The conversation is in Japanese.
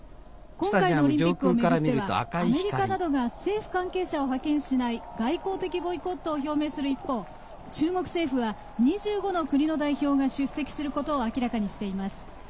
今回のオリンピックをめぐってはアメリカなどが政治関係者を派遣しない外交的ボイコットを表明する一方中国政府は２５の国の代表が出席することを明らかにしています。